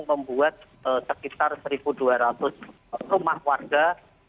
membuat sekitar satu dua ratus rumah warga